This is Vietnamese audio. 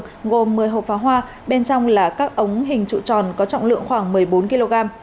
tăng vật thu giữ tại hiện trường gồm một mươi hộp phá hoa bên trong là các ống hình trụ tròn có trọng lượng khoảng một mươi bốn kg